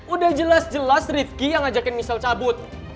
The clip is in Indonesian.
udah jelas jelas rifqi yang ajakin misal cabut